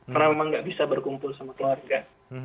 karena memang nggak bisa berkumpul sama keluarga